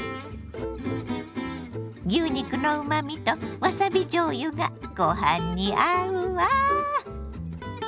牛肉のうまみとわさびじょうゆがご飯に合うわ。